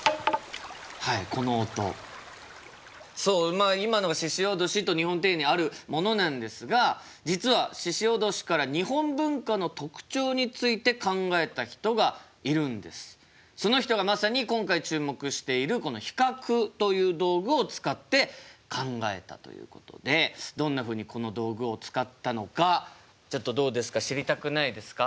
まあ今のが鹿おどしという日本庭園にあるものなんですが実はその人がまさに今回注目しているこの比較という道具を使って考えたということでどんなふうにこの道具を使ったのかちょっとどうですか知りたくないですか？